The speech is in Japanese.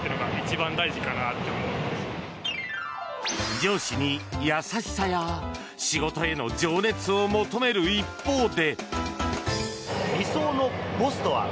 上司に優しさや仕事への情熱を求める一方で。